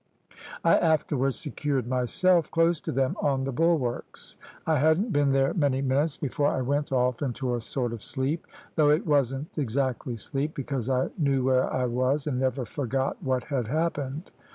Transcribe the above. I afterwards secured myself close to them on the bulwarks. I hadn't been there many minutes before I went off into a sort of sleep, though it wasn't exactly sleep, because I knew where I was, and never forgot what had happened.